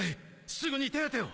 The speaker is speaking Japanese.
すぐに手当てを！